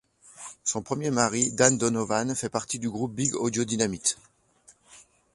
Son premier mari Dan Donovan fait partie du groupe Big Audio Dynamite.